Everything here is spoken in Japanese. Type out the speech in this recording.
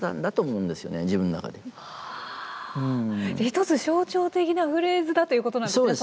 一つ象徴的なフレーズだということなんですね